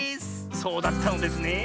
そうだったのですね。